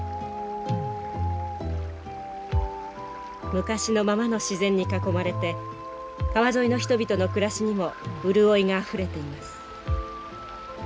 昔のままの自然に囲まれて川沿いの人々の暮らしにも潤いがあふれています。